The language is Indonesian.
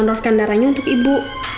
dan menonorkan darahnya untuk ibu